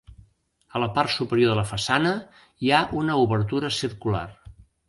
A la part superior de la façana hi ha una obertura circular.